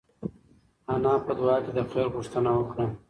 انا په دعا کې د خیر غوښتنه وکړه.